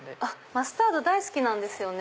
マスタード大好きなんですよね。